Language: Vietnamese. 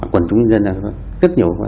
quần chúng nhân dân rất nhiều